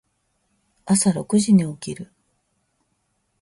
朝六時に起きる。